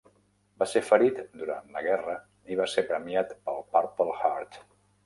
Va ser ferit durant la guerra i va ser premiat pel Purple Heart.